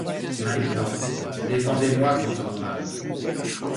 Maintenant, défendez-moi contre mon mari.